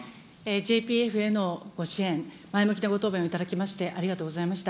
ＪＰＦへの支援、前向きなご答弁を頂きまして、ありがとうございます。